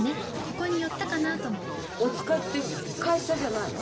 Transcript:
お使いって会社じゃないの？